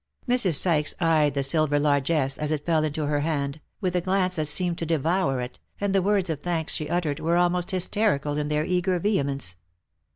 Mrs. Sykes eyed the silver largesse, as it fell into her hand, with a glance that seemed to devour it, and the words of thanks she uttered were almost hysterical in their eager vehemence.